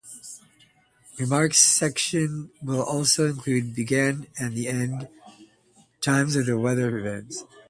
Remarks section will also include began and end times of the weather events.